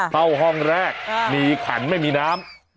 เข้าห้องแรกมีขันไม่มีน้ำ